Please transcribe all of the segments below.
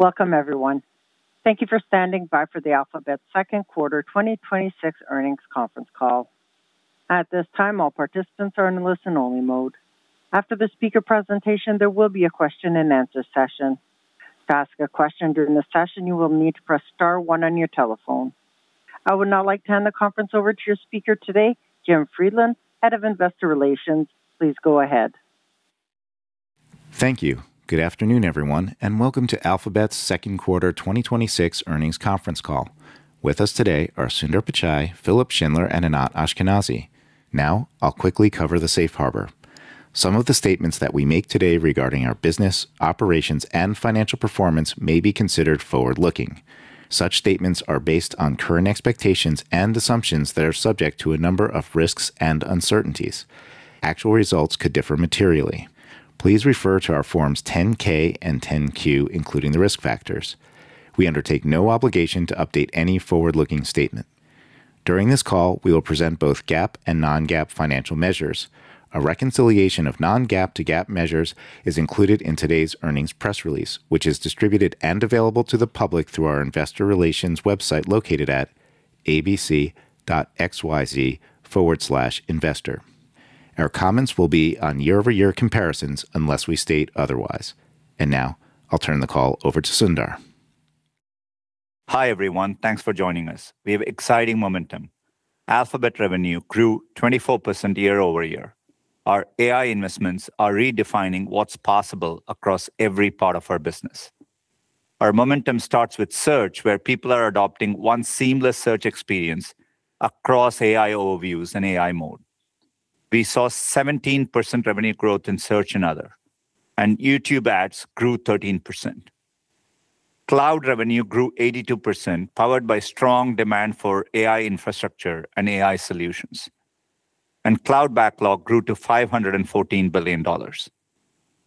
Welcome, everyone. Thank you for standing by for the Alphabet Second Quarter 2026 Earnings Conference Call. At this time, all participants are in listen-only mode. After the speaker presentation, there will be a question and answer session. To ask a question during the session, you will need to press star one on your telephone. I would now like to hand the conference over to your speaker today, Jim Friedland, Head of Investor Relations. Please go ahead. Thank you. Good afternoon, everyone, and welcome to Alphabet's Second Quarter 2026 Earnings Conference Call. With us today are Sundar Pichai, Philipp Schindler, and Anat Ashkenazi. Now, I'll quickly cover the safe harbor. Some of the statements that we make today regarding our business, operations, and financial performance may be considered forward-looking. Such statements are based on current expectations and assumptions that are subject to a number of risks and uncertainties. Actual results could differ materially. Please refer to our Forms 10-K and 10-Q, including the risk factors. We undertake no obligation to update any forward-looking statement. During this call, we will present both GAAP and non-GAAP financial measures. A reconciliation of non-GAAP to GAAP measures is included in today's earnings press release, which is distributed and available to the public through our investor relations website located at abc.xyz/investor. Our comments will be on year-over-year comparisons unless we state otherwise. Now, I'll turn the call over to Sundar. Hi, everyone. Thanks for joining us. We have exciting momentum. Alphabet revenue grew 24% year-over-year. Our AI investments are redefining what's possible across every part of our business. Our momentum starts with Search, where people are adopting one seamless Search experience across AI Overviews and AI Mode. We saw 17% revenue growth in Search and other, YouTube ads grew 13%. Cloud revenue grew 82%, powered by strong demand for AI infrastructure and AI solutions. Cloud backlog grew to $514 billion.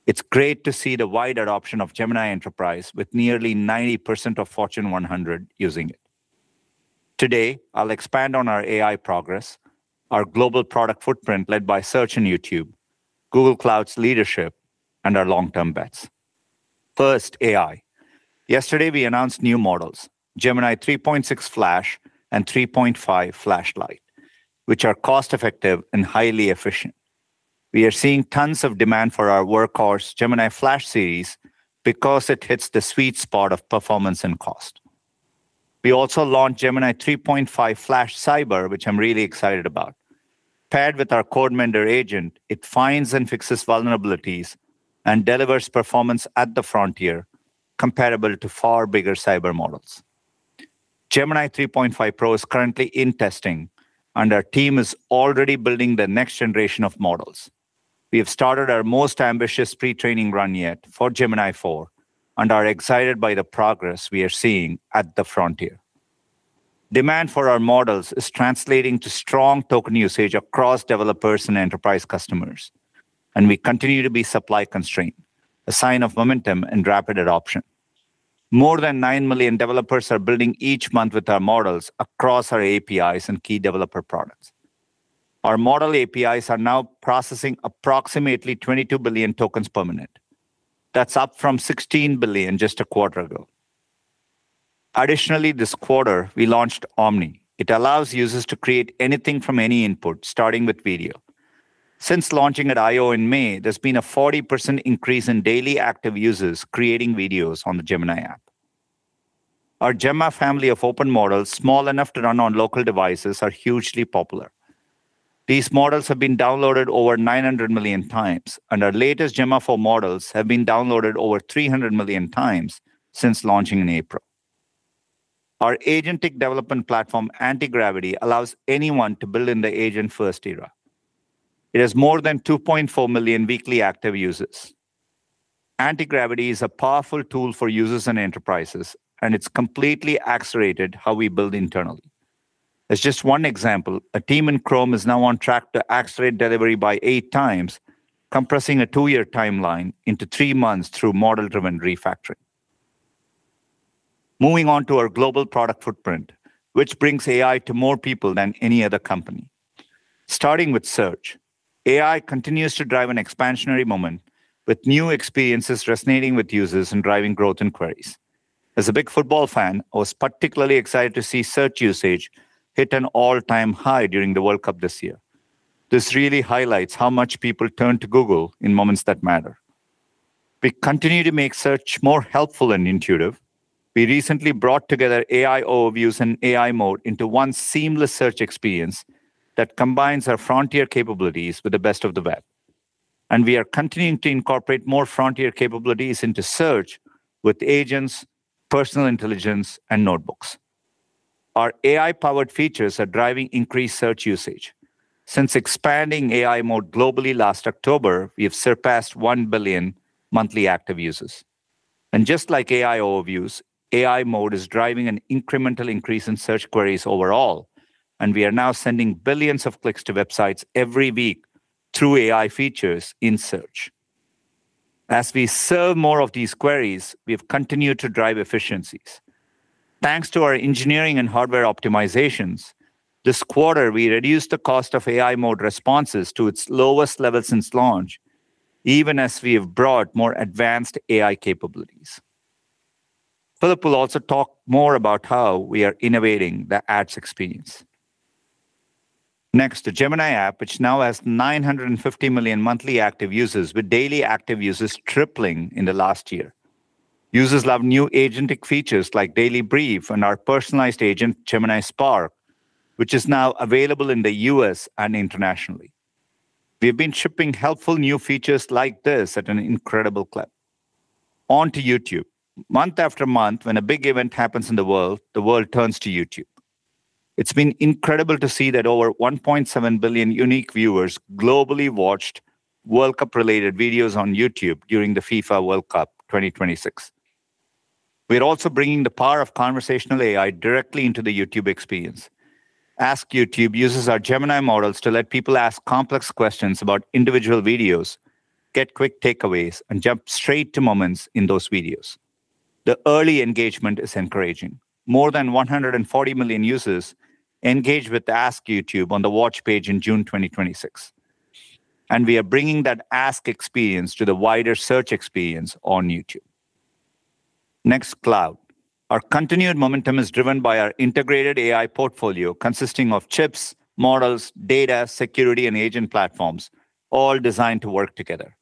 It's great to see the wide adoption of Gemini Enterprise with nearly 90% of Fortune 100 using it. Today, I'll expand on our AI progress, our global product footprint led by Search and YouTube, Google Cloud's leadership, and our long-term bets. First, AI. Yesterday, we announced new models, Gemini 3.6 Flash and 3.5 Flash-Lite, which are cost-effective and highly efficient. We are seeing tons of demand for our workhorse Gemini Flash series because it hits the sweet spot of performance and cost. We also launched Gemini 3.5 Flash Cyber, which I'm really excited about. Paired with our CodeMender agent, it finds and fixes vulnerabilities and delivers performance at the frontier comparable to far bigger cyber models. Gemini 3.5 Pro is currently in testing, and our team is already building the next generation of models. We have started our most ambitious pre-training run yet for Gemini 4 and are excited by the progress we are seeing at the frontier. Demand for our models is translating to strong token usage across developers and enterprise customers, and we continue to be supply constrained, a sign of momentum and rapid adoption. More than 9 million developers are building each month with our models across our APIs and key developer products. Our model APIs are now processing approximately 22 billion tokens per minute. That's up from 16 billion just a quarter ago. This quarter, we launched Omni. It allows users to create anything from any input, starting with video. Since launching at I/O in May, there's been a 40% increase in daily active users creating videos on the Gemini app. Our Gemma family of open models, small enough to run on local devices, are hugely popular. These models have been downloaded over 900 million times, and our latest Gemma 4 models have been downloaded over 300 million times since launching in April. Our agentic development platform, Antigravity, allows anyone to build in the agent-first era. It has more than 2.4 million weekly active users. Antigravity is a powerful tool for users and enterprises, and it's completely accelerated how we build internally. As just one example, a team in Chrome is now on track to accelerate delivery by 8x, compressing a two-year timeline into three months through model-driven refactoring. Moving on to our global product footprint, which brings AI to more people than any other company. Starting with Search, AI continues to drive an expansionary moment with new experiences resonating with users and driving growth in queries. As a big football fan, I was particularly excited to see Search usage hit an all-time high during the World Cup this year. This really highlights how much people turn to Google in moments that matter. We continue to make Search more helpful and intuitive. We recently brought together AI Overviews and AI Mode into one seamless Search experience that combines our frontier capabilities with the best of the web. We are continuing to incorporate more frontier capabilities into Search with agents, personal intelligence, and notebooks. Our AI-powered features are driving increased Search usage. Since expanding AI Mode globally last October, we have surpassed 1 billion monthly active users. Just like AI Overviews, AI Mode is driving an incremental increase in Search queries overall, and we are now sending billions of clicks to websites every week through AI features in Search. As we serve more of these queries, we have continued to drive efficiencies. Thanks to our engineering and hardware optimizations, this quarter, we reduced the cost of AI Mode responses to its lowest level since launch, even as we have brought more advanced AI capabilities. Philipp will also talk more about how we are innovating the Ads experience. Next, the Gemini app, which now has 950 million monthly active users with daily active users tripling in the last year. Users love new agentic features like Daily Brief and our personalized agent, Gemini Spark, which is now available in the U.S. and internationally. We've been shipping helpful new features like this at an incredible clip. On to YouTube. Month after month, when a big event happens in the world, the world turns to YouTube. It's been incredible to see that over 1.7 billion unique viewers globally watched World Cup-related videos on YouTube during the FIFA World Cup 2026. We're also bringing the power of conversational AI directly into the YouTube experience. Ask YouTube uses our Gemini models to let people ask complex questions about individual videos, get quick takeaways, and jump straight to moments in those videos. The early engagement is encouraging. More than 140 million users engaged with Ask YouTube on the Watch page in June 2026. We are bringing that Ask experience to the wider search experience on YouTube. Next, Cloud. Our continued momentum is driven by our integrated AI portfolio consisting of chips, models, data, security, and agent platforms, all designed to work together.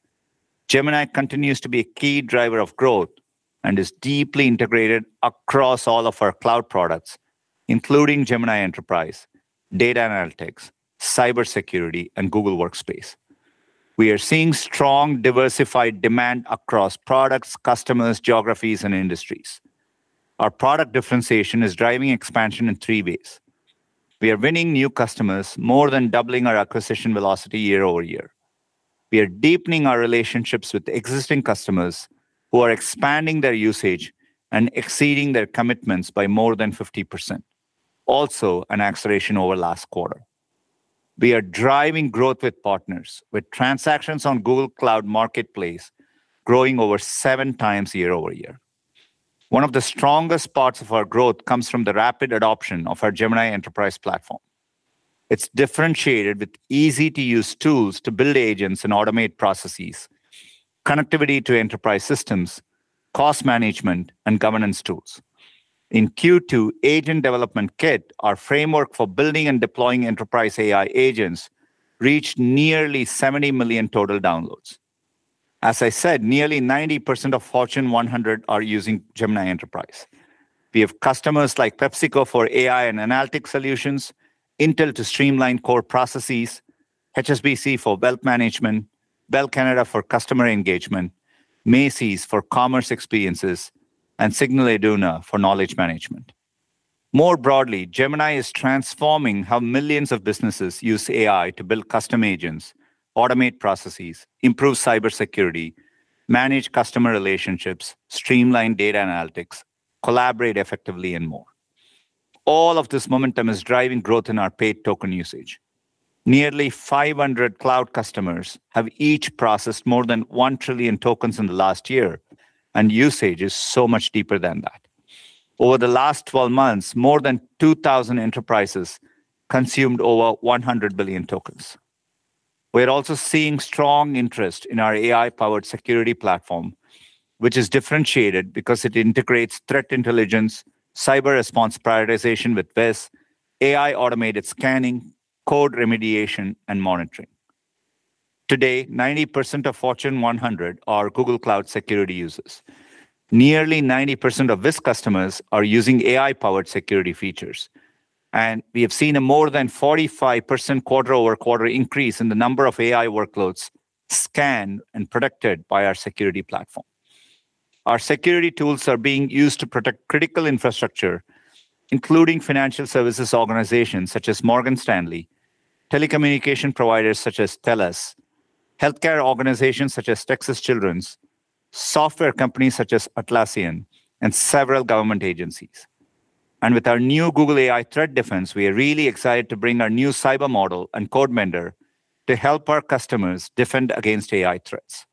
Gemini continues to be a key driver of growth and is deeply integrated across all of our cloud products, including Gemini Enterprise, data analytics, cybersecurity, and Google Workspace. We are seeing strong, diversified demand across products, customers, geographies, and industries. Our product differentiation is driving expansion in three ways. We are winning new customers, more than doubling our acquisition velocity year-over-year. We are deepening our relationships with existing customers who are expanding their usage and exceeding their commitments by more than 50%. Also, an acceleration over last quarter. We are driving growth with partners, with transactions on Google Cloud Marketplace growing over seven times year-over-year. One of the strongest parts of our growth comes from the rapid adoption of our Gemini Enterprise platform. It's differentiated with easy-to-use tools to build agents and automate processes, connectivity to enterprise systems, cost management, and governance tools. In Q2, Agent Development Kit, our framework for building and deploying enterprise AI agents, reached nearly 70 million total downloads. As I said, nearly 90% of Fortune 100 are using Gemini Enterprise. We have customers like PepsiCo for AI and analytics solutions, Intel to streamline core processes, HSBC for wealth management, Bell Canada for customer engagement, Macy's for commerce experiences, and SIGNAL IDUNA for knowledge management. More broadly, Gemini is transforming how millions of businesses use AI to build custom agents, automate processes, improve cybersecurity, manage customer relationships, streamline data analytics, collaborate effectively, and more. All of this momentum is driving growth in our paid token usage. Nearly 500 Cloud customers have each processed more than 1 trillion tokens in the last year, and usage is so much deeper than that. Over the last 12 months, more than 2,000 enterprises consumed over 100 billion tokens. We're also seeing strong interest in our AI-powered security platform, which is differentiated because it integrates threat intelligence, cyber response prioritization with Wiz, AI-automated scanning, code remediation, and monitoring. Today, 90% of Fortune 100 are Google Cloud security users. Nearly 90% of Wiz customers are using AI-powered security features. We have seen a more than 45% quarter-over-quarter increase in the number of AI workloads scanned and protected by our security platform. Our security tools are being used to protect critical infrastructure, including financial services organizations such as Morgan Stanley, telecommunication providers such as Telus, healthcare organizations such as Texas Children's Hospital, software companies such as Atlassian, and several government agencies. With our new Google AI Threat Defense, we are really excited to bring our new cyber model and CodeMender to help our customers defend against AI threats.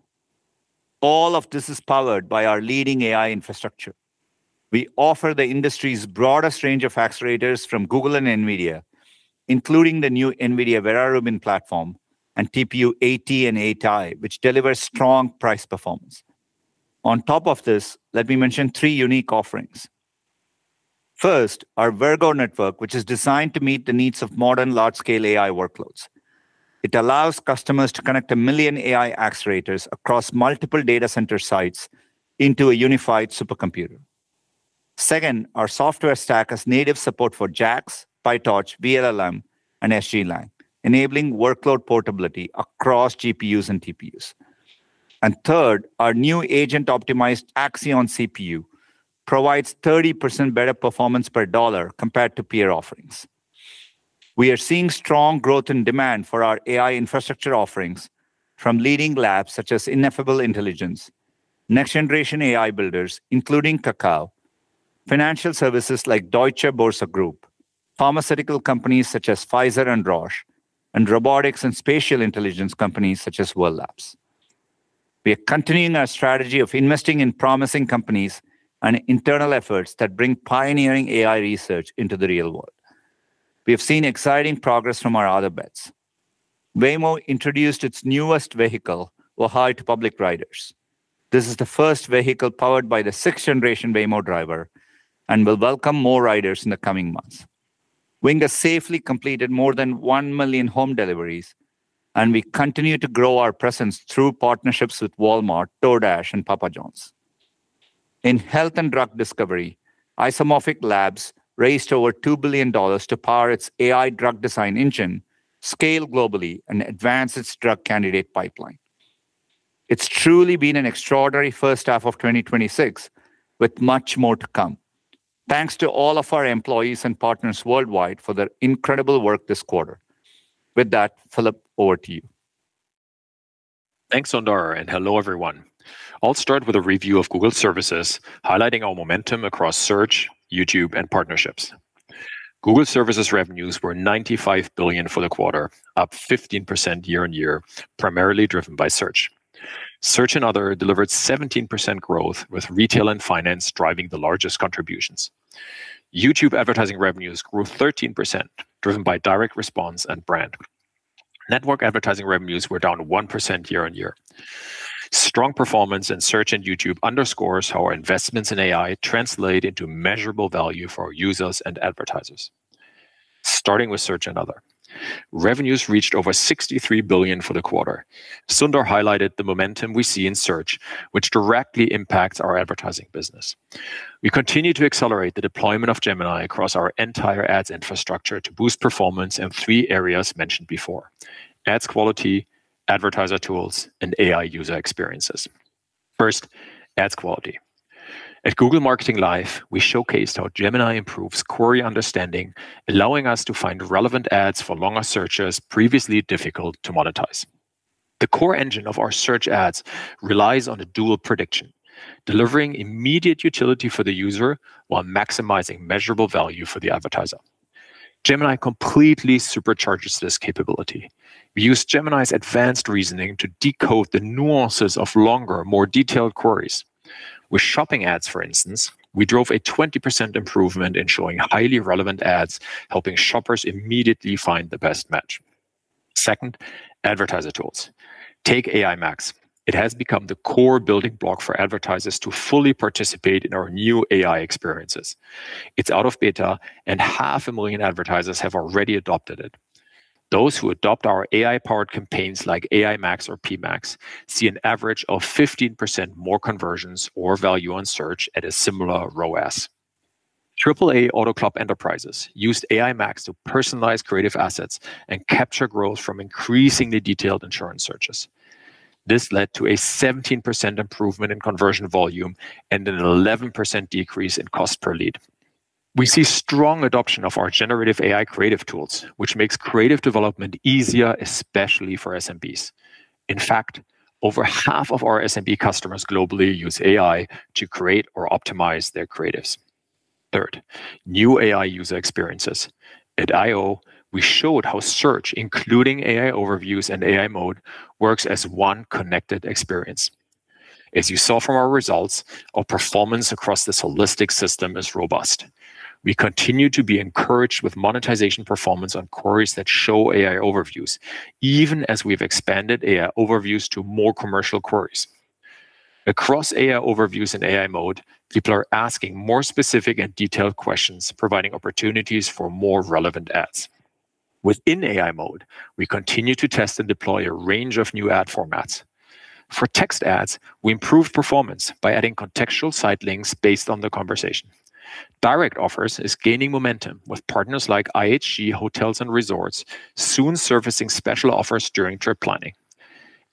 All of this is powered by our leading AI infrastructure. We offer the industry's broadest range of accelerators from Google and NVIDIA, including the new NVIDIA Vera Rubin platform and TPU 8t and 8i, which delivers strong price performance. On top of this, let me mention three unique offerings. First, our Virgo Network, which is designed to meet the needs of modern large-scale AI workloads. It allows customers to connect a million AI accelerators across multiple data center sites into a unified supercomputer. Second, our software stack has native support for JAX, PyTorch, vLLM, and SGLang, enabling workload portability across GPUs and TPUs. Third, our new agent-optimized Google Axion CPU provides 30% better performance per dollar compared to peer offerings. We are seeing strong growth and demand for our AI infrastructure offerings from leading labs such as Ineffable Intelligence, next-generation AI builders, including Kakao, financial services like Deutsche Börse Group, pharmaceutical companies such as Pfizer and Roche, and robotics and spatial intelligence companies such as World Labs. We are continuing our strategy of investing in promising companies and internal efforts that bring pioneering AI research into the real world. We have seen exciting progress from our other bets. Waymo introduced its newest vehicle, Ojai, to public riders. This is the first vehicle powered by the sixth-generation Waymo Driver and will welcome more riders in the coming months. Wing has safely completed more than one million home deliveries. We continue to grow our presence through partnerships with Walmart, DoorDash, and Papa John's. In health and drug discovery, Isomorphic Labs raised over $2 billion to power its AI drug design engine, scale globally, and advance its drug candidate pipeline. It's truly been an extraordinary first half of 2026 with much more to come. Thanks to all of our employees and partners worldwide for their incredible work this quarter. With that, Philipp, over to you. Thanks, Sundar, and hello, everyone. I'll start with a review of Google Services, highlighting our momentum across Search, YouTube, and partnerships. Google Services revenues were $95 billion for the quarter, up 15% year-on-year, primarily driven by Search. Search and Other delivered 17% growth, with retail and finance driving the largest contributions. YouTube advertising revenues grew 13%, driven by direct response and brand. Network advertising revenues were down 1% year-on-year. Strong performance in Search and YouTube underscores how our investments in AI translate into measurable value for our users and advertisers. Starting with Search and Other. Revenues reached over $63 billion for the quarter. Sundar highlighted the momentum we see in Search, which directly impacts our advertising business. We continue to accelerate the deployment of Gemini across our entire ads infrastructure to boost performance in three areas mentioned before: ads quality, advertiser tools, and AI user experiences. First, ads quality. At Google Marketing Live, we showcased how Gemini improves query understanding, allowing us to find relevant ads for longer searches previously difficult to monetize. The core engine of our Search Ads relies on a dual prediction, delivering immediate utility for the user while maximizing measurable value for the advertiser. Gemini completely supercharges this capability. We use Gemini's advanced reasoning to decode the nuances of longer, more detailed queries. With shopping ads, for instance, we drove a 20% improvement in showing highly relevant ads, helping shoppers immediately find the best match. Second, advertiser tools. Take AI Max. It's out of beta, and 500,000 advertisers have already adopted it. Those who adopt our AI-powered campaigns like AI Max or Performance Max, see an average of 15% more conversions or value on Search at a similar ROAS. AAA Auto Club Enterprises used AI Max to personalize creative assets and capture growth from increasingly detailed insurance searches. This led to a 17% improvement in conversion volume and an 11% decrease in cost per lead. We see strong adoption of our generative AI creative tools, which makes creative development easier, especially for SMBs. In fact, over half of our SMB customers globally use AI to create or optimize their creatives. Third, new AI user experiences. At I/O, we showed how Search, including AI Overviews and AI Mode, works as one connected experience. As you saw from our results, our performance across this holistic system is robust. We continue to be encouraged with monetization performance on queries that show AI Overviews, even as we've expanded AI Overviews to more commercial queries. Across AI Overviews and AI Mode, people are asking more specific and detailed questions, providing opportunities for more relevant ads. Within AI Mode, we continue to test and deploy a range of new ad formats. For text ads, we improve performance by adding contextual site links based on the conversation. Direct Offers is gaining momentum, with partners like IHG Hotels & Resorts soon surfacing special offers during trip planning.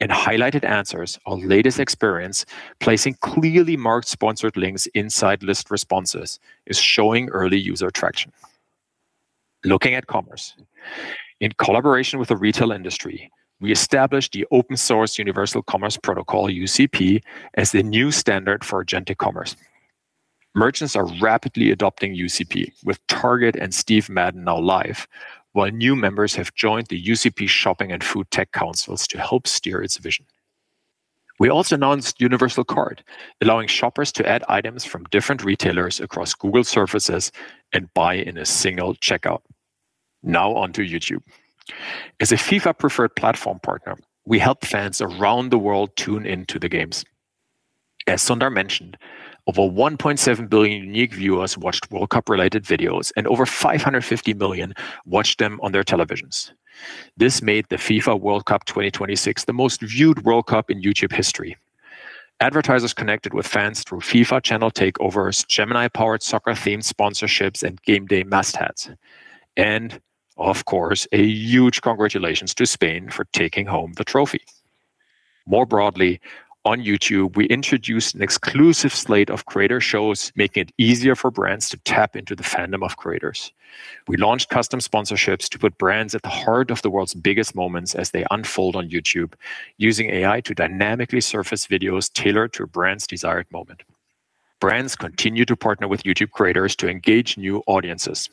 In Highlighted Answers, our latest experience, placing clearly marked sponsored links inside list responses is showing early user traction. Looking at commerce. In collaboration with the retail industry, we established the open-source Universal Commerce Protocol, UCP, as the new standard for agentic commerce. Merchants are rapidly adopting UCP, with Target and Steve Madden now live, while new members have joined the UCP Shopping and Food Tech Councils to help steer its vision. We also announced Universal Cart, allowing shoppers to add items from different retailers across Google Services and buy in a single checkout. Now on to YouTube. As a FIFA preferred platform partner, we helped fans around the world tune into the games. As Sundar mentioned, over 1.7 billion unique viewers watched World Cup-related videos, and over 550 million watched them on their televisions. This made the FIFA World Cup 2026 the most viewed World Cup in YouTube history. Advertisers connected with fans through FIFA channel takeovers, Gemini-powered soccer-themed sponsorships, and game day mastheads. Of course, a huge congratulations to Spain for taking home the trophy. More broadly, on YouTube, we introduced an exclusive slate of creator shows making it easier for brands to tap into the fandom of creators. We launched custom sponsorships to put brands at the heart of the world's biggest moments as they unfold on YouTube, using AI to dynamically surface videos tailored to a brand's desired moment. Brands continue to partner with YouTube creators to engage new audiences.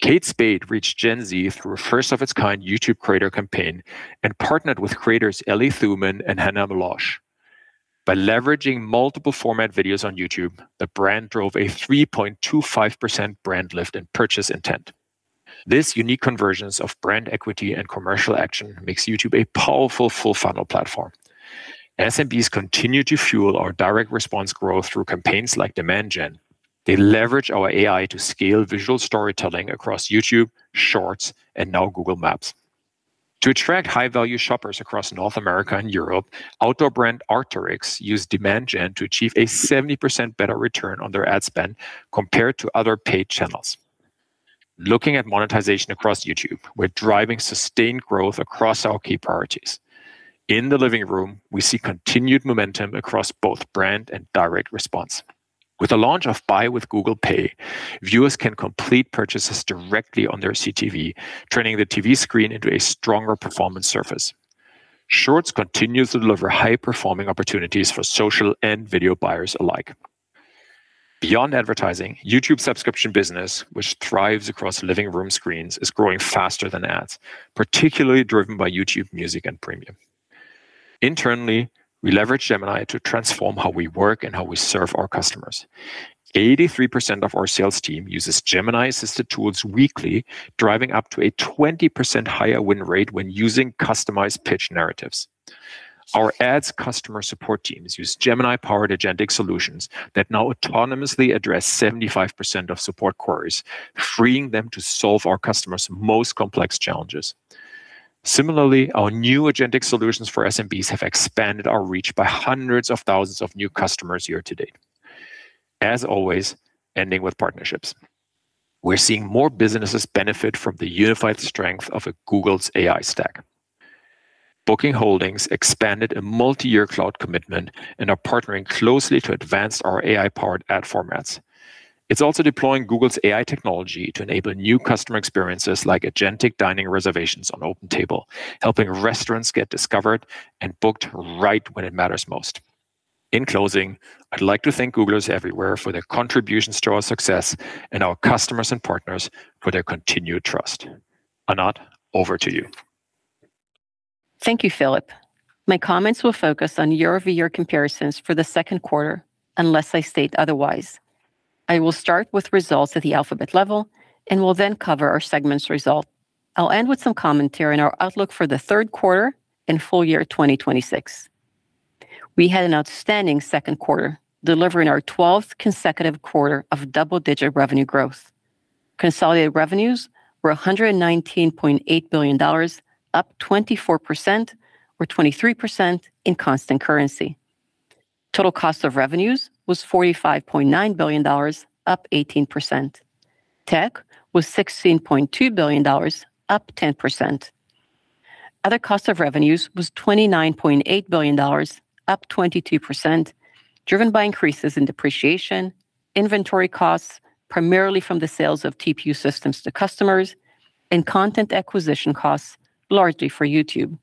Kate Spade reached Gen Z through a first-of-its-kind YouTube creator campaign and partnered with creators Ellie Thumann and Hannah Meloche. By leveraging multiple format videos on YouTube, the brand drove a 3.25% brand lift in purchase intent. This unique convergence of brand equity and commercial action makes YouTube a powerful full-funnel platform. SMBs continue to fuel our direct response growth through campaigns like Demand Gen. They leverage our AI to scale visual storytelling across YouTube, Shorts, and now Google Maps. To attract high-value shoppers across North America and Europe, outdoor brand Arc'teryx used Demand Gen to achieve a 70% better return on their ad spend compared to other paid channels. Looking at monetization across YouTube, we're driving sustained growth across our key priorities. In the living room, we see continued momentum across both brand and direct response. With the launch of Buy with Google Pay, viewers can complete purchases directly on their CTV, turning the TV screen into a stronger performance surface. Shorts continues to deliver high-performing opportunities for social and video buyers alike. Beyond advertising, YouTube subscription business, which thrives across living room screens, is growing faster than ads, particularly driven by YouTube Music and Premium. Internally, we leverage Gemini to transform how we work and how we serve our customers. 83% of our sales team uses Gemini-assisted tools weekly, driving up to a 20% higher win rate when using customized pitch narratives. Our ads customer support teams use Gemini-powered agentic solutions that now autonomously address 75% of support queries, freeing them to solve our customers' most complex challenges. Similarly, our new agentic solutions for SMBs have expanded our reach by hundreds of thousands of new customers year to date. As always, ending with partnerships. We're seeing more businesses benefit from the unified strength of Google's AI stack. Booking Holdings expanded a multi-year cloud commitment and are partnering closely to advance our AI-powered ad formats. It's also deploying Google's AI technology to enable new customer experiences like agentic dining reservations on OpenTable, helping restaurants get discovered and booked right when it matters most. In closing, I'd like to thank Googlers everywhere for their contributions to our success and our customers and partners for their continued trust. Anat, over to you. Thank you, Philipp. My comments will focus on year-over-year comparisons for the second quarter, unless I state otherwise. I will start with results at the Alphabet level and will then cover our segments result. I'll end with some commentary on our outlook for the third quarter and full year 2026. We had an outstanding second quarter, delivering our 12th consecutive quarter of double-digit revenue growth. Consolidated revenues were $119.8 billion, up 24%, or 23% in constant currency. Total cost of revenues was $45.9 billion, up 18%. Tech was $16.2 billion, up 10%. Other cost of revenues was $29.8 billion, up 22%, driven by increases in depreciation, inventory costs, primarily from the sales of TPU systems to customers, and content acquisition costs, largely for YouTube.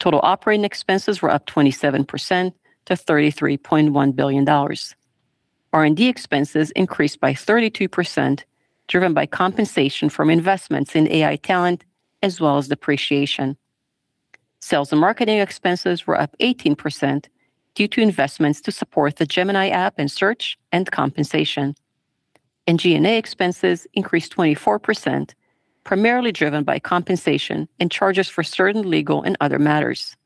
Total operating expenses were up 27% to $33.1 billion. R&D expenses increased by 32%, driven by compensation from investments in AI talent as well as depreciation. Sales and marketing expenses were up 18% due to investments to support the Gemini app and Search and compensation. G&A expenses increased 24%, primarily driven by compensation and charges for certain legal and other matters.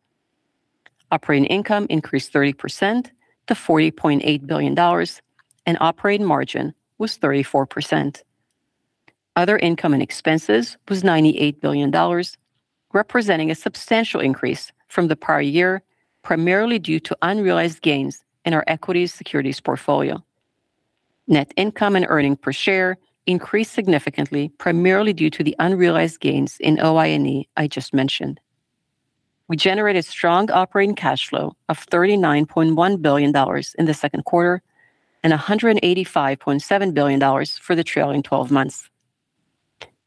Operating income increased 30% to $40.8 billion, and operating margin was 34%. Other income and expenses was $98 billion, representing a substantial increase from the prior year, primarily due to unrealized gains in our equity securities portfolio. Net income and earning per share increased significantly, primarily due to the unrealized gains in OI&E I just mentioned. We generated strong operating cash flow of $39.1 billion in the second quarter and $185.7 billion for the trailing 12 months.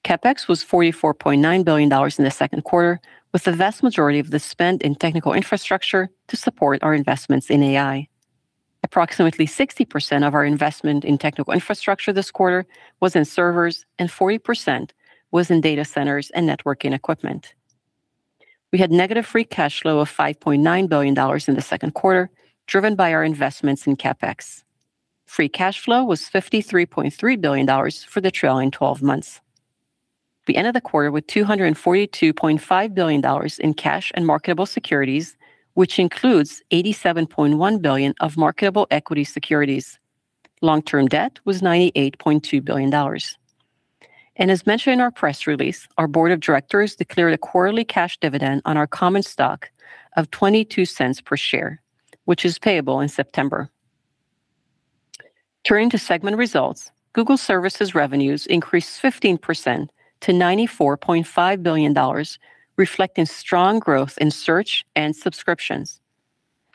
CapEx was $44.9 billion in the second quarter, with the vast majority of this spent in technical infrastructure to support our investments in AI. Approximately 60% of our investment in technical infrastructure this quarter was in servers, and 40% was in data centers and networking equipment. We had negative free cash flow of $5.9 billion in the second quarter, driven by our investments in CapEx. Free cash flow was $53.3 billion for the trailing 12 months. We ended the quarter with $242.5 billion in cash and marketable securities, which includes $87.1 billion of marketable equity securities. Long-term debt was $98.2 billion. As mentioned in our press release, our board of directors declared a quarterly cash dividend on our common stock of $0.22 per share, which is payable in September. Turning to segment results, Google Services revenues increased 15% to $94.5 billion, reflecting strong growth in Search and subscriptions.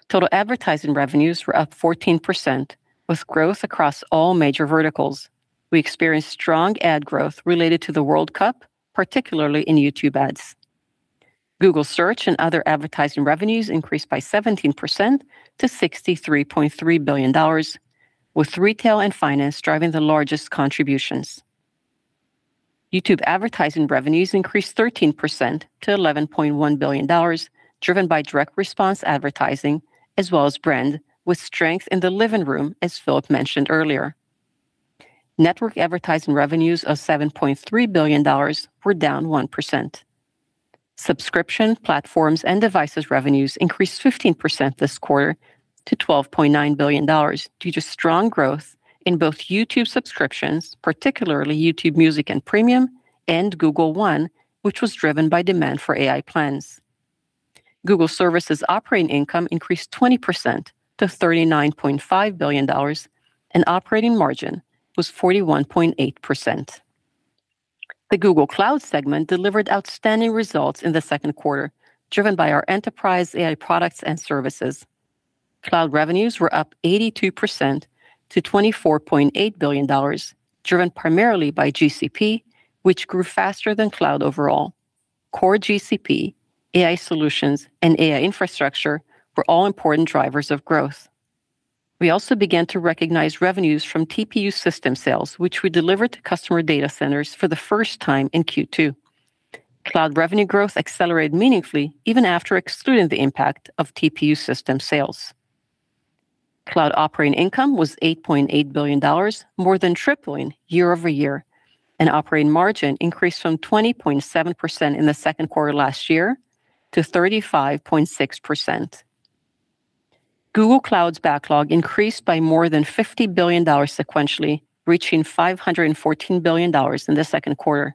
Total advertising revenues were up 14%, with growth across all major verticals. We experienced strong ad growth related to the World Cup, particularly in YouTube ads. Google Search and other advertising revenues increased by 17% to $63.3 billion, with retail and finance driving the largest contributions. YouTube advertising revenues increased 13% to $11.1 billion, driven by direct response advertising as well as brand, with strength in the living room, as Philipp mentioned earlier. Network advertising revenues of $7.3 billion were down 1%. Subscription platforms and devices revenues increased 15% this quarter to $12.9 billion, due to strong growth in both YouTube subscriptions, particularly YouTube Music and Premium, and Google One, which was driven by demand for AI plans. Google Services operating income increased 20% to $39.5 billion, and operating margin was 41.8%. The Google Cloud segment delivered outstanding results in the second quarter, driven by our enterprise AI products and services. Cloud revenues were up 82% to $24.8 billion, driven primarily by GCP, which grew faster than cloud overall. Core GCP, AI solutions, and AI infrastructure were all important drivers of growth. We also began to recognize revenues from TPU system sales, which we delivered to customer data centers for the first time in Q2. Cloud revenue growth accelerated meaningfully even after excluding the impact of TPU system sales. Cloud operating income was $8.8 billion, more than tripling year-over-year, and operating margin increased from 20.7% in the second quarter last year to 35.6%. Google Cloud's backlog increased by more than $50 billion sequentially, reaching $514 billion in the second quarter.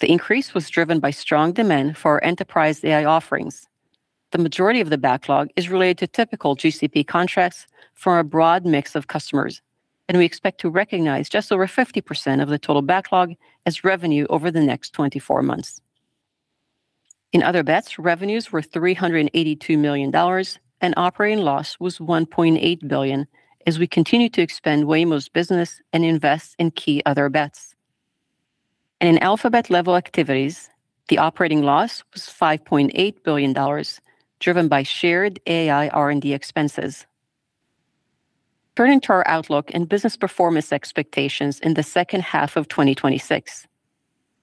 The increase was driven by strong demand for our enterprise AI offerings. The majority of the backlog is related to typical GCP contracts from a broad mix of customers, and we expect to recognize just over 50% of the total backlog as revenue over the next 24 months. In other bets, revenues were $382 million, and operating loss was $1.8 billion, as we continue to expand Waymo's business and invest in key other bets. In Alphabet-level activities, the operating loss was $5.8 billion, driven by shared AI R&D expenses. Turning to our outlook and business performance expectations in the second half of 2026.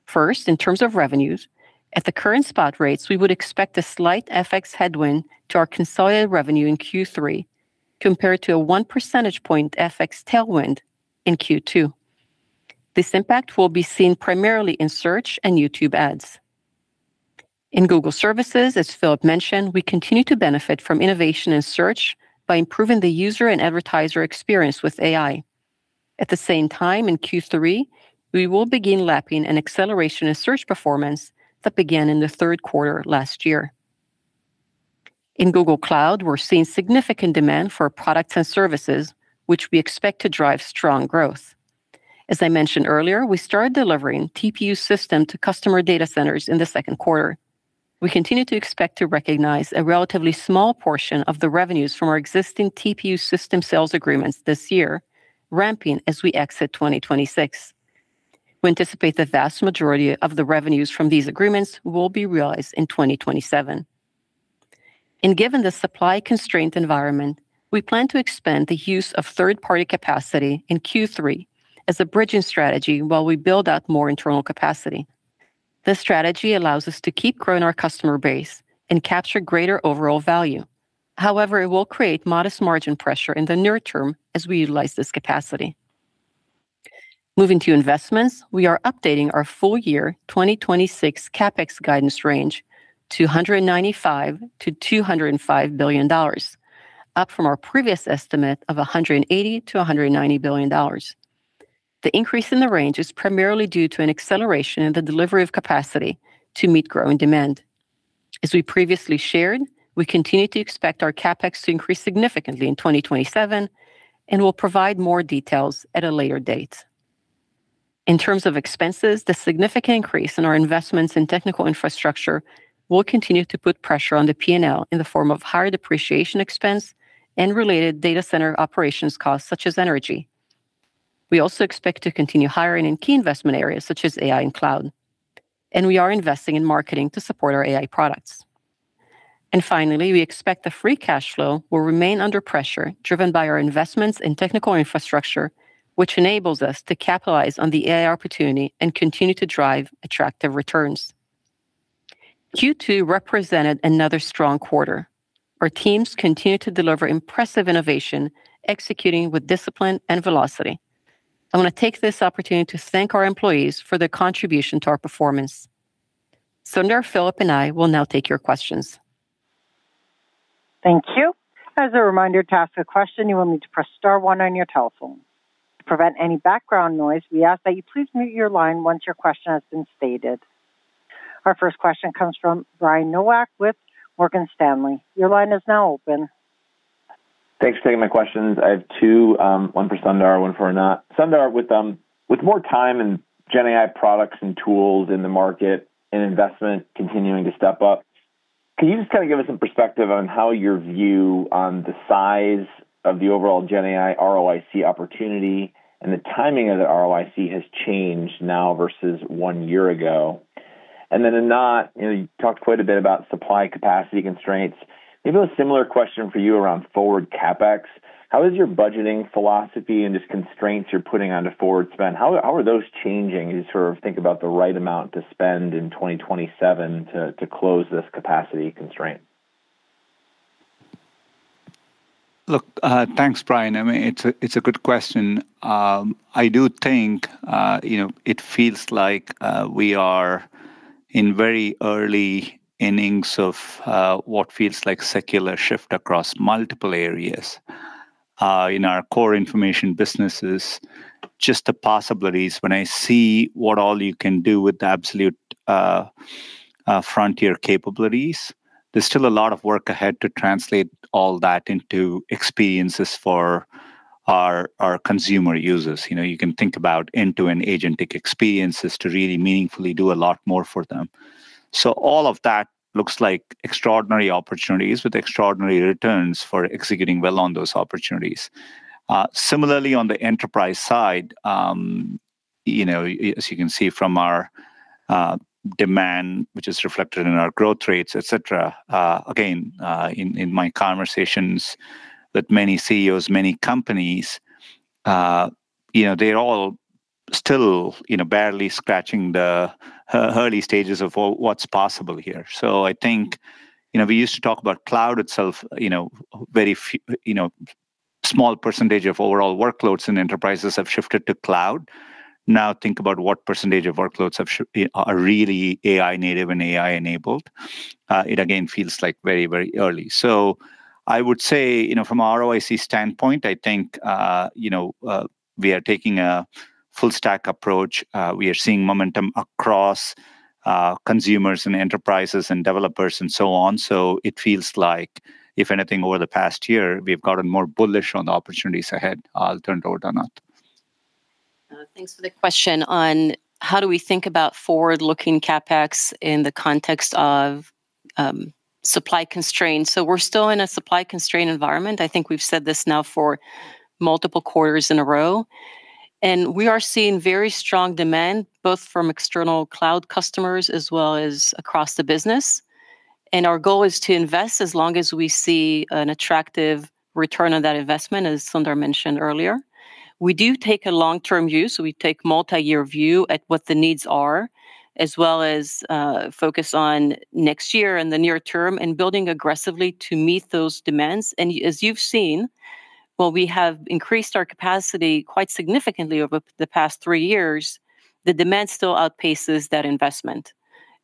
First, in terms of revenues, at the current spot rates, we would expect a slight FX headwind to our consolidated revenue in Q3 compared to a 1 percentage point FX tailwind in Q2. This impact will be seen primarily in Search and YouTube ads. In Google Services, as Philipp mentioned, we continue to benefit from innovation in Search by improving the user and advertiser experience with AI. At the same time, in Q3, we will begin lapping an acceleration in Search performance that began in the third quarter last year. In Google Cloud, we are seeing significant demand for products and services, which we expect to drive strong growth. As I mentioned earlier, we started delivering TPU system to customer data centers in the second quarter. We continue to expect to recognize a relatively small portion of the revenues from our existing TPU system sales agreements this year, ramping as we exit 2026. We anticipate the vast majority of the revenues from these agreements will be realized in 2027. Given the supply-constrained environment, we plan to expand the use of third-party capacity in Q3 as a bridging strategy while we build out more internal capacity. This strategy allows us to keep growing our customer base and capture greater overall value. However, it will create modest margin pressure in the near term as we utilize this capacity. Moving to investments, we are updating our full-year 2026 CapEx guidance range to $195 billion-$205 billion, up from our previous estimate of $180 billion-$190 billion. The increase in the range is primarily due to an acceleration in the delivery of capacity to meet growing demand. As we previously shared, we continue to expect our CapEx to increase significantly in 2027 and will provide more details at a later date. In terms of expenses, the significant increase in our investments in technical infrastructure will continue to put pressure on the P&L in the form of higher depreciation expense and related data center operations costs such as energy. We also expect to continue hiring in key investment areas such as AI and Cloud, and we are investing in marketing to support our AI products. Finally, we expect the free cash flow will remain under pressure, driven by our investments in technical infrastructure, which enables us to capitalize on the AI opportunity and continue to drive attractive returns. Q2 represented another strong quarter. Our teams continue to deliver impressive innovation, executing with discipline and velocity. I want to take this opportunity to thank our employees for their contribution to our performance. Sundar, Philipp, and I will now take your questions. Thank you. As a reminder, to ask a question, you will need to press star one on your telephone. To prevent any background noise, we ask that you please mute your line once your question has been stated. Our first question comes from Brian Nowak with Morgan Stanley. Your line is now open. Thanks for taking my questions. I have two, one for Sundar, one for Anat. Sundar, with more time and GenAI products and tools in the market and investment continuing to step up. Can you just give us some perspective on how your view on the size of the overall GenAI ROIC opportunity and the timing of the ROIC has changed now versus one year ago? Then, Anat, you talked quite a bit about supply capacity constraints. Maybe a similar question for you around forward CapEx. How is your budgeting philosophy and just constraints you're putting onto forward spend? How are those changing as you think about the right amount to spend in 2027 to close this capacity constraint? Look, thanks, Brian. It's a good question. I do think, it feels like we are in very early innings of what feels like secular shift across multiple areas. In our core information businesses, just the possibilities when I see what all you can do with the absolute frontier capabilities, there's still a lot of work ahead to translate all that into experiences for our consumer users. You can think about end-to-end agentic experiences to really meaningfully do a lot more for them. All of that looks like extraordinary opportunities with extraordinary returns for executing well on those opportunities. Similarly, on the enterprise side, as you can see from our demand, which is reflected in our growth rates, et cetera. Again, in my conversations with many CEOs, many companies, they're all still barely scratching the early stages of what's possible here. I think, we used to talk about cloud itself, very small percentage of overall workloads and enterprises have shifted to cloud. Think about what percentage of workloads are really AI native and AI enabled. It again feels very early. I would say, from a ROIC standpoint, I think, we are taking a full stack approach. We are seeing momentum across consumers and enterprises and developers and so on. It feels like if anything, over the past year, we've gotten more bullish on the opportunities ahead. I'll turn it over to Anat. Thanks for the question on how do we think about forward-looking CapEx in the context of supply constraints. We're still in a supply constraint environment. I think we've said this now for multiple quarters in a row, we are seeing very strong demand, both from external cloud customers as well as across the business. Our goal is to invest as long as we see an attractive return on that investment, as Sundar mentioned earlier. We do take a long-term view, so we take multi-year view at what the needs are, as well as focus on next year and the near term and building aggressively to meet those demands. As you've seen, while we have increased our capacity quite significantly over the past three years, the demand still outpaces that investment.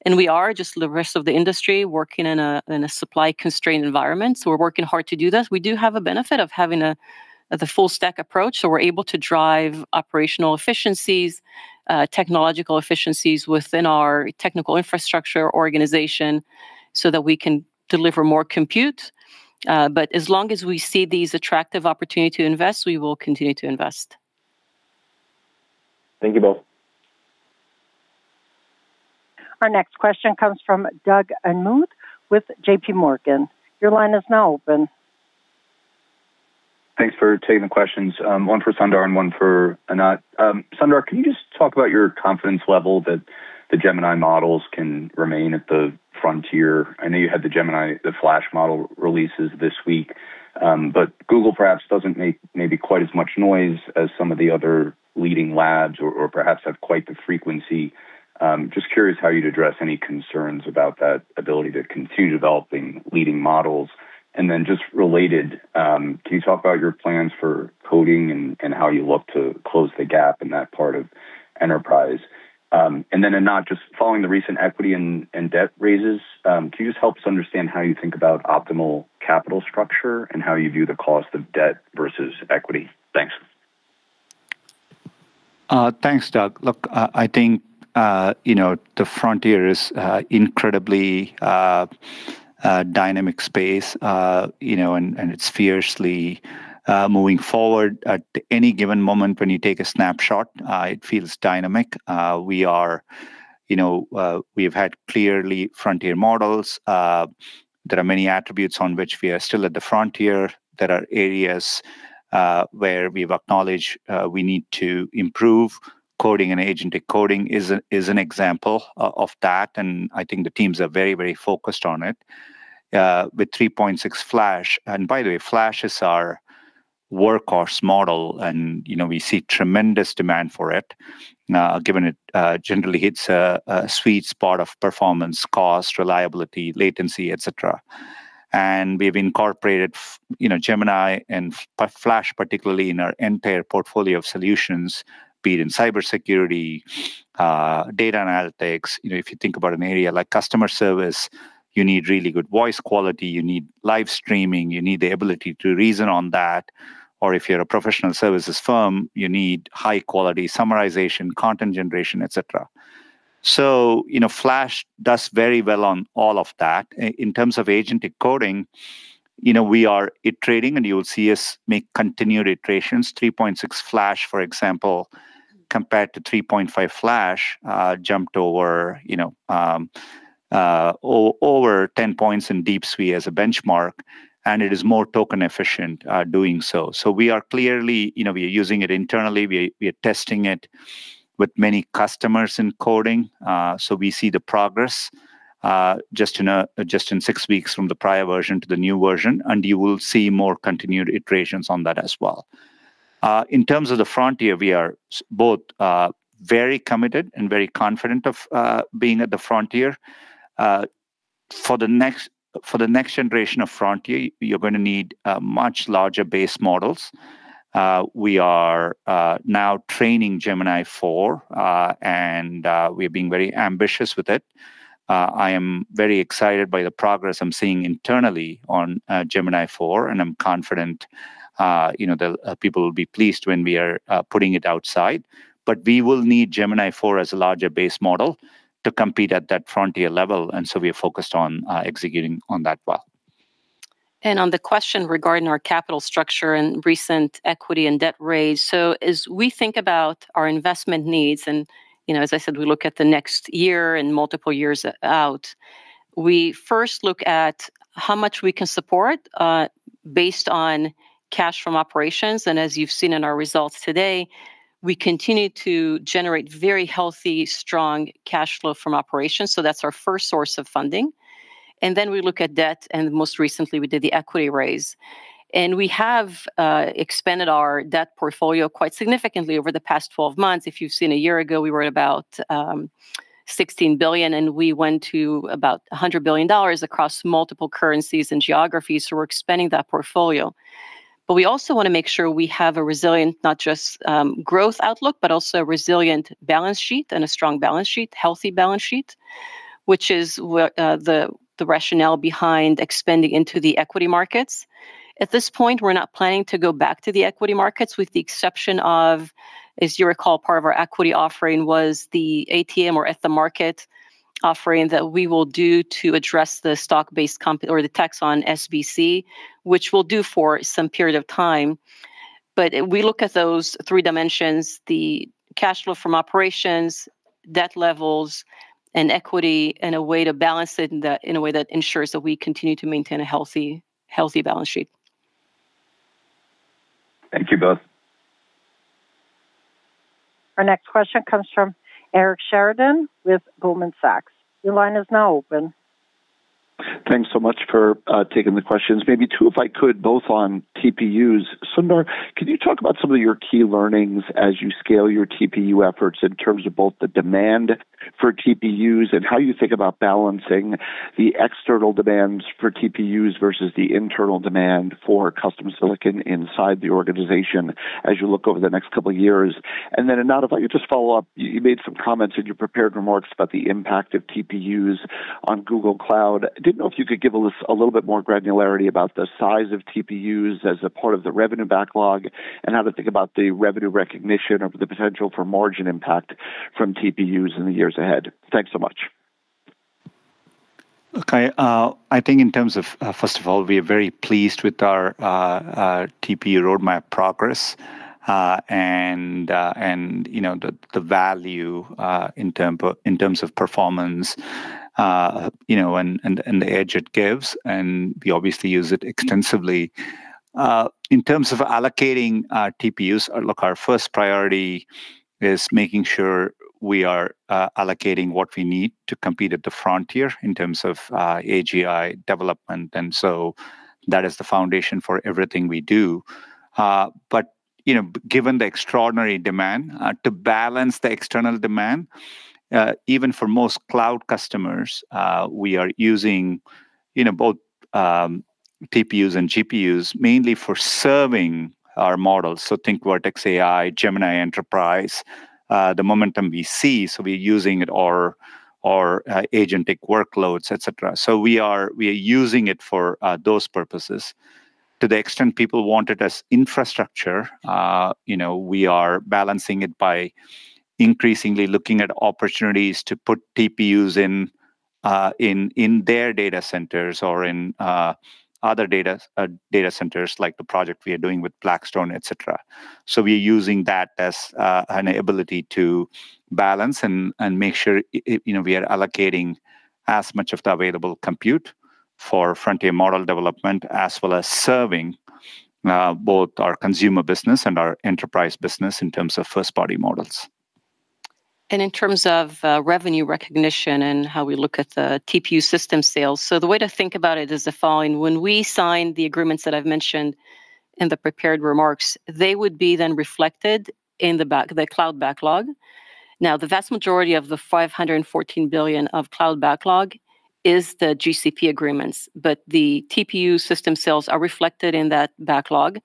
We are, just like the rest of the industry, working in a supply-constrained environment. We're working hard to do this. We do have a benefit of having the full stack approach, so we're able to drive operational efficiencies, technological efficiencies within our technical infrastructure organization so that we can deliver more compute. As long as we see these attractive opportunity to invest, we will continue to invest. Thank you both. Our next question comes from Doug Anmuth with JPMorgan. Your line is now open. Thanks for taking the questions. One for Sundar and one for Anat. Sundar, can you just talk about your confidence level that the Gemini models can remain at the frontier? I know you had the Gemini, the Flash model releases this week. Google perhaps doesn't make maybe quite as much noise as some of the other leading labs or perhaps have quite the frequency. Just curious how you'd address any concerns about that ability to continue developing leading models. Then just related, can you talk about your plans for coding and how you look to close the gap in that part of enterprise? Then Anat, just following the recent equity and debt raises, can you just help us understand how you think about optimal capital structure and how you view the cost of debt versus equity? Thanks. Thanks, Doug. The frontier is incredibly dynamic space, and it's fiercely moving forward. At any given moment when you take a snapshot, it feels dynamic. We've had clearly frontier models. There are many attributes on which we are still at the frontier. There are areas where we've acknowledged we need to improve. Coding and agentic coding is an example of that, and the teams are very focused on it. With 3.6 Flash, and by the way, Flash is our workhorse model, and we see tremendous demand for it, given it generally hits a sweet spot of performance, cost, reliability, latency, et cetera. We've incorporated Gemini and Flash, particularly in our entire portfolio of solutions, be it in cybersecurity, data analytics. If you think about an area like customer service, you need really good voice quality, you need live streaming, you need the ability to reason on that. If you're a professional services firm, you need high-quality summarization, content generation, et cetera. Flash does very well on all of that. In terms of agentic coding, we are iterating, and you will see us make continued iterations. 3.6 Flash, for example, compared to 3.5 Flash, jumped over 10 points in DeepSuite as a benchmark, and it is more token efficient doing so. We are using it internally. We are testing it with many customers in coding. We see the progress just in six weeks from the prior version to the new version, and you will see more continued iterations on that as well. In terms of the frontier, we are both very committed and very confident of being at the frontier. For the next generation of frontier, you're going to need much larger base models. We are now training Gemini 4, and we're being very ambitious with it. I am very excited by the progress I'm seeing internally on Gemini 4, and I'm confident that people will be pleased when we are putting it outside. We will need Gemini 4 as a larger base model to compete at that frontier level, so we are focused on executing on that well. On the question regarding our capital structure and recent equity and debt raise. As we think about our investment needs, as I said, we look at the next year and multiple years out, we first look at how much we can support based on cash from operations. As you've seen in our results today, we continue to generate very healthy, strong cash flow from operations. That's our first source of funding. Then we look at debt, and most recently we did the equity raise. We have expanded our debt portfolio quite significantly over the past 12 months. If you've seen a year ago, we were at about $16 billion, and we went to about $100 billion across multiple currencies and geographies, so we're expanding that portfolio. We also want to make sure we have a resilient, not just growth outlook, but also a resilient balance sheet and a strong balance sheet, healthy balance sheet, which is the rationale behind expanding into the equity markets. At this point, we're not planning to go back to the equity markets, with the exception of, as you recall, part of our equity offering was the ATM or at the market offering that we will do to address the stock-based comp or the tax on SBC, which we'll do for some period of time. We look at those three dimensions, the cash flow from operations, debt levels, and equity, and a way to balance it in a way that ensures that we continue to maintain a healthy balance sheet. Thank you both. Our next question comes from Eric Sheridan with Goldman Sachs. Your line is now open. Thanks so much for taking the questions. Maybe two, if I could, both on TPUs. Sundar, can you talk about some of your key learnings as you scale your TPU efforts in terms of both the demand for TPUs and how you think about balancing the external demands for TPUs versus the internal demand for custom silicon inside the organization as you look over the next couple of years? Anat, if I could just follow up, you made some comments in your prepared remarks about the impact of TPUs on Google Cloud. I didn't know if you could give us a little bit more granularity about the size of TPUs as a part of the revenue backlog and how to think about the revenue recognition or the potential for margin impact from TPUs in the years ahead. Thanks so much. Okay. I think in terms of, first of all, we are very pleased with our TPU roadmap progress, and the value in terms of performance, and the edge it gives, and we obviously use it extensively. In terms of allocating our TPUs, look, our first priority is making sure we are allocating what we need to compete at the frontier in terms of AGI development. That is the foundation for everything we do. Given the extraordinary demand to balance the external demand, even for most cloud customers, we are using both TPUs and GPUs mainly for serving our models. Think Vertex AI, Gemini Enterprise, the momentum we see. We're using it or agentic workloads, et cetera. We are using it for those purposes. To the extent people want it as infrastructure, we are balancing it by increasingly looking at opportunities to put TPUs in their data centers or in other data centers, like the project we are doing with Blackstone, et cetera. We are using that as an ability to balance and make sure we are allocating as much of the available compute for frontier model development, as well as serving both our consumer business and our enterprise business in terms of first-party models. In terms of revenue recognition and how we look at the TPU system sales. The way to think about it is the following. When we sign the agreements that I've mentioned in the prepared remarks, they would be then reflected in the cloud backlog. The vast majority of the $514 billion of cloud backlog is the GCP agreements, but the TPU system sales are reflected in that backlog.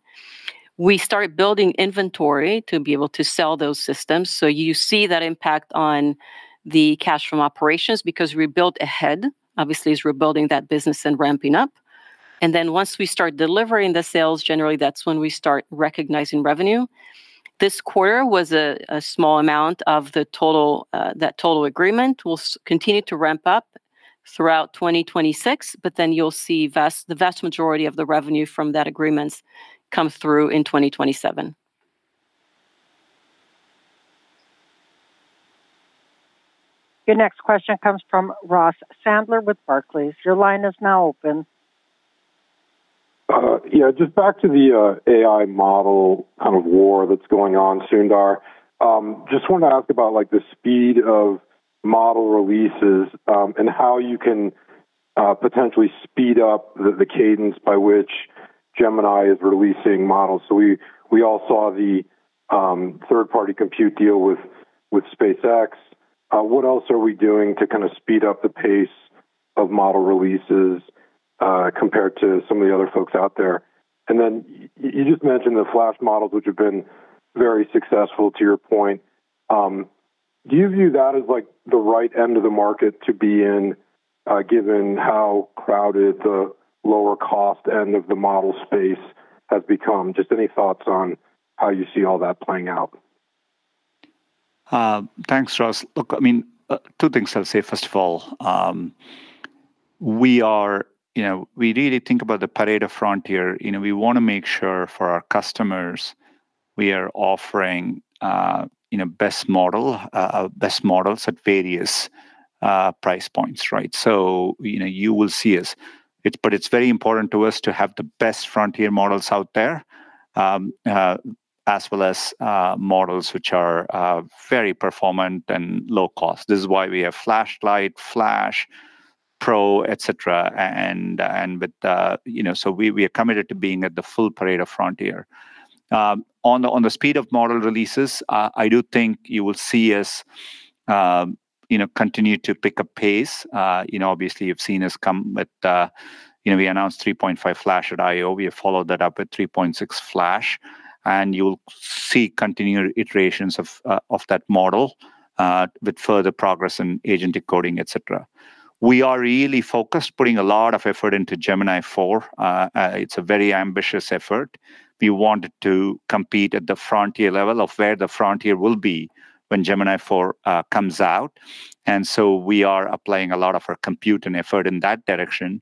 We start building inventory to be able to sell those systems. You see that impact on the cash from operations because we built ahead, obviously, as we're building that business and ramping up. Once we start delivering the sales, generally that's when we start recognizing revenue. This quarter was a small amount of that total agreement. We'll continue to ramp up throughout 2026, you'll see the vast majority of the revenue from that agreement come through in 2027. Your next question comes from Ross Sandler with Barclays. Your line is now open. Yeah. Just back to the AI model kind of war that's going on, Sundar. Just wanted to ask about the speed of model releases, and how you can potentially speed up the cadence by which Gemini is releasing models. We all saw the third-party compute deal with SpaceX. What else are we doing to kind of speed up the pace of model releases compared to some of the other folks out there? You just mentioned the Flash models, which have been very successful, to your point. Do you view that as the right end of the market to be in, given how crowded the lower cost end of the model space has become? Just any thoughts on how you see all that playing out. Thanks, Ross. Look, two things I'll say. First of all, we really think about the parade of frontier. We want to make sure for our customers we are offering best models at various price points, right? You will see us. It's very important to us to have the best frontier models out there, as well as models which are very performant and low cost. This is why we have Flash-Lite, Flash Pro, et cetera. We are committed to being at the full parade of frontier. On the speed of model releases, I do think you will see us continue to pick up pace. Obviously, we announced Gemini 3.5 Flash at Google I/O. We have followed that up with Gemini 3.6 Flash, and you'll see continued iterations of that model, with further progress in agent decoding, et cetera. We are really focused, putting a lot of effort into Gemini 4. It's a very ambitious effort. We want to compete at the frontier level of where the frontier will be when Gemini 4 comes out, we are applying a lot of our compute and effort in that direction.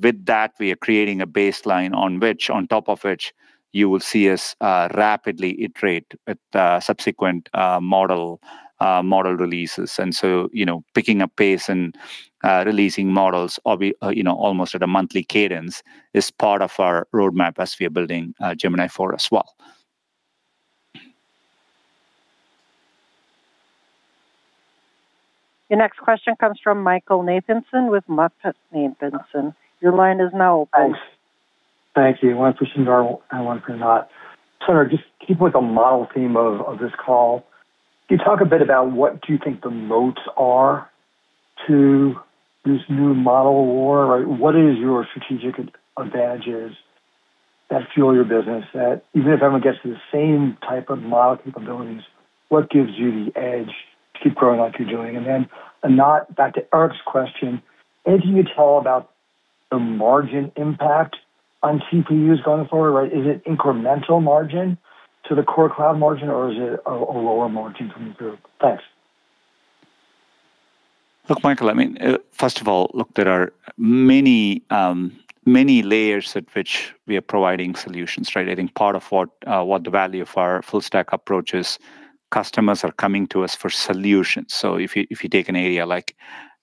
With that, we are creating a baseline on top of which you will see us rapidly iterate with subsequent model releases. Picking up pace and releasing models almost at a monthly cadence is part of our roadmap as we are building Gemini 4 as well. Your next question comes from Michael Nathanson with MoffettNathanson. Your line is now open. Thanks. Thank you. One for Sundar and one for Anat. Sundar, just keeping with the model theme of this call, can you talk a bit about what you think the moats are to this new model war, right? What is your strategic advantages that fuel your business, that even if everyone gets to the same type of model capabilities, what gives you the edge to keep growing like you're doing? Then, Anat, back to Eric's question, anything you can tell about the margin impact on TPUs going forward, right? Is it incremental margin to the core cloud margin, or is it a lower margin coming through? Thanks. Michael, first of all, there are many layers at which we are providing solutions, right? I think part of what the value of our full stack approach is, customers are coming to us for solutions. If you take an area like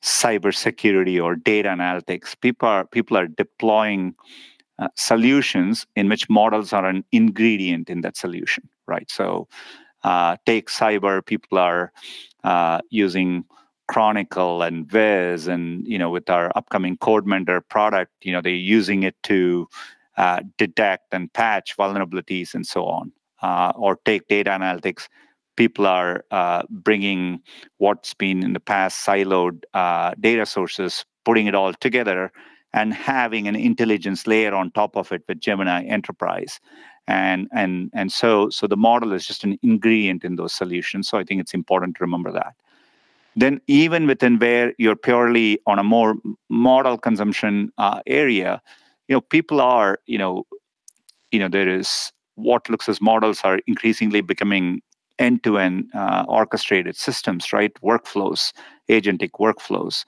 cybersecurity or data analytics, people are deploying solutions in which models are an ingredient in that solution, right? Take cyber, people are using Chronicle and Wiz and with our upcoming CodeMender product, they're using it to detect and patch vulnerabilities and so on. Take data analytics. People are bringing what's been in the past siloed data sources, putting it all together, and having an intelligence layer on top of it with Gemini Enterprise. The model is just an ingredient in those solutions. I think it's important to remember that. Even within where you're purely on a more model consumption area, what looks as models are increasingly becoming end-to-end orchestrated systems, right? Workflows, agentic workflows.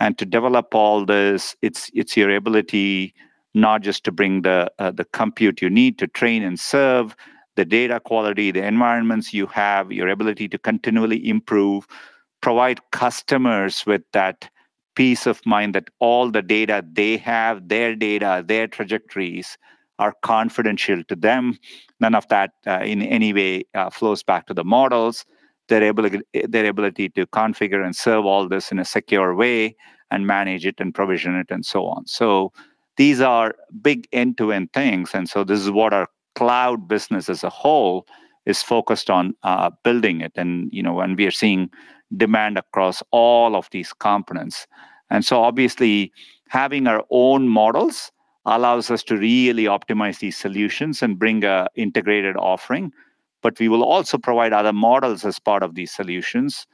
To develop all this, it's your ability not just to bring the compute you need to train and serve the data quality, the environments you have, your ability to continually improve, provide customers with that peace of mind that all the data they have, their data, their trajectories, are confidential to them. None of that in any way flows back to the models. Their ability to configure and serve all this in a secure way and manage it and provision it and so on. These are big end-to-end things, this is what our cloud business as a whole is focused on building it. We are seeing demand across all of these components. Obviously, having our own models allows us to really optimize these solutions and bring an integrated offering. We will also provide other models as part of these solutions.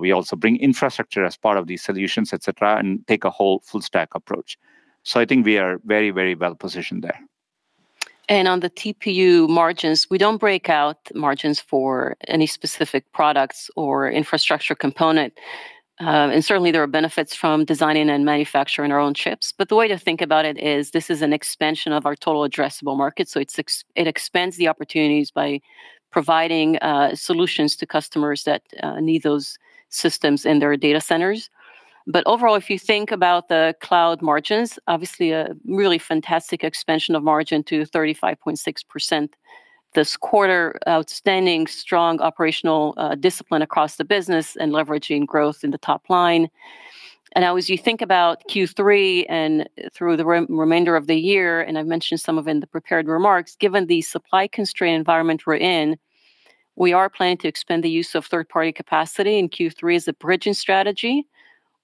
We also bring infrastructure as part of these solutions, et cetera, and take a whole full stack approach. I think we are very well positioned there. On the TPU margins, we don't break out margins for any specific products or infrastructure component. Certainly, there are benefits from designing and manufacturing our own chips. The way to think about it is this is an expansion of our total addressable market, so it expands the opportunities by providing solutions to customers that need those systems in their data centers. Overall, if you think about the Cloud margins, obviously a really fantastic expansion of margin to 35.6% this quarter. Outstanding strong operational discipline across the business and leveraging growth in the top line. As you think about Q3 and through the remainder of the year, I've mentioned some of it in the prepared remarks, given the supply-constrained environment we're in, we are planning to expand the use of third-party capacity in Q3 as a bridging strategy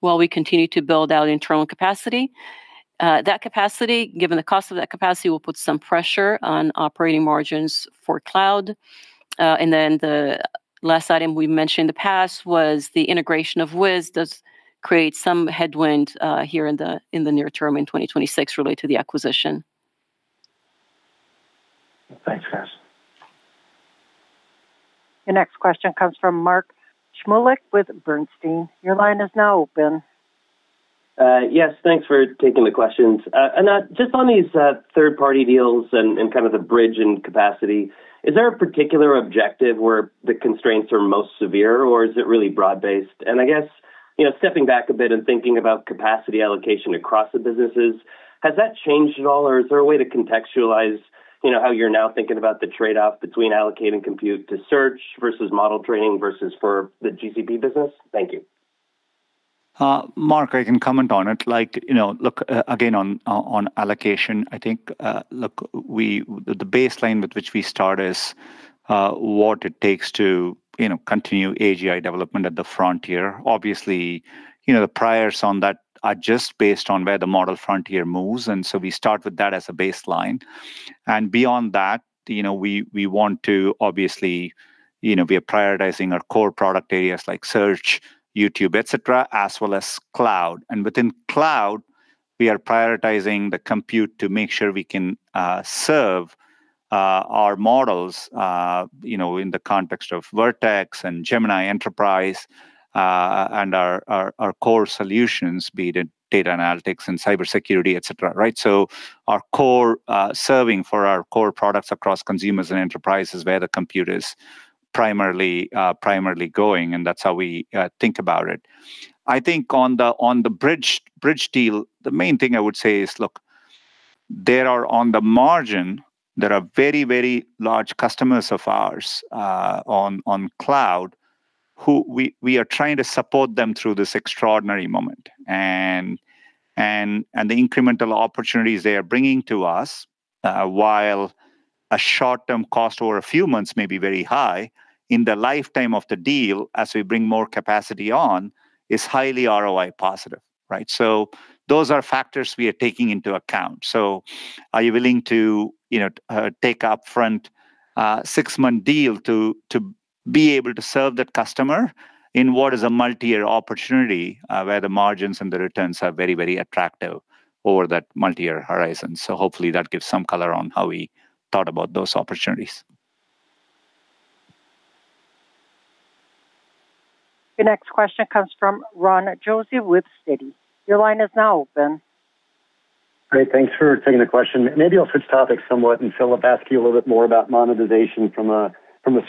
while we continue to build out internal capacity. That capacity, given the cost of that capacity, will put some pressure on operating margins for Cloud. The last item we mentioned in the past was the integration of Wiz. Does create some headwind here in the near term in 2026 related to the acquisition. Thanks, guys. Your next question comes from Mark Shmulik with Bernstein. Your line is now open. Yes, thanks for taking the questions. Anat, just on these third-party deals and kind of the bridge in capacity, is there a particular objective where the constraints are most severe, or is it really broad-based? I guess, stepping back a bit and thinking about capacity allocation across the businesses, has that changed at all, or is there a way to contextualize how you're now thinking about the trade-off between allocating compute to Search versus model training versus for the GCP business? Thank you. Mark, I can comment on it. Look, again, on allocation, I think the baseline with which we start is what it takes to continue AGI development at the frontier. Obviously, the priors on that are just based on where the model frontier moves. We start with that as a baseline. Beyond that, we are prioritizing our core product areas like Search, YouTube, et cetera, as well as Cloud. Within Cloud, we are prioritizing the compute to make sure we can serve our models in the context of Vertex and Gemini Enterprise, and our core solutions, be it data analytics and cybersecurity, et cetera. Right? Our core serving for our core products across consumers and enterprises is where the compute is primarily going, and that's how we think about it. I think on the bridge deal, the main thing I would say is, look, on the margin, there are very, very large customers of ours on Cloud who we are trying to support them through this extraordinary moment. The incremental opportunities they are bringing to us, while a short-term cost over a few months may be very high, in the lifetime of the deal, as we bring more capacity on, is highly ROI positive. Right? Those are factors we are taking into account. Are you willing to take upfront six-month deal to be able to serve that customer in what is a multi-year opportunity, where the margins and the returns are very, very attractive over that multi-year horizon? Hopefully, that gives some color on how we thought about those opportunities. Your next question comes from Ron Josey with Citi. Your line is now open. Great. Thanks for taking the question. Maybe I'll switch topics somewhat and, Philipp, ask you a little bit more about monetization from a